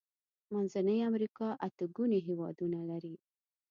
منځنۍ امريکا اته ګونې هيوادونه لري.